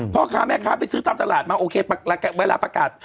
พ่อค้าแม่ค้าไปซื้อตามตลาดมาโอเคเวลาประกาศ